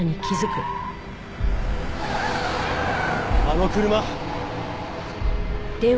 あの車！